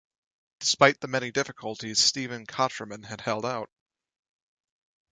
Despite the many difficulties, Stephen Kotroman had held out.